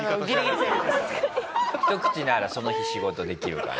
１口ならその日仕事できるから。